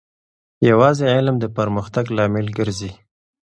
یوازې علم د پرمختګ لامل ګرځي.